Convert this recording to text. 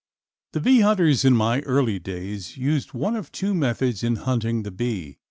The bee hunters in my early days used one of two methods in hunting the bee.